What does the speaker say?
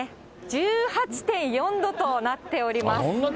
１８．４度となっております。